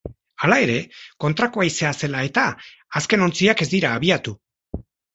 Hala ere, kontrako haizea zela eta azken ontziak ez dira abiatu.